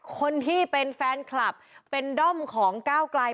คนที่เป็นแฟนคลับเป็นด้อมของก้าวไกล